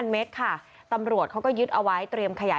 เมตรค่ะตำรวจเขาก็ยึดเอาไว้เตรียมขยาย